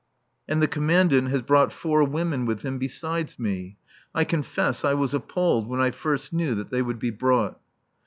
And the Commandant has brought four women with him besides me. I confess I was appalled when I first knew that they would be brought.